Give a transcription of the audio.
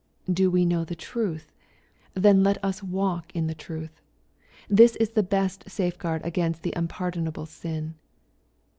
Do we know the truth ? Then let us walk in the truth. This is the best safeguard againt the unpardonable sin.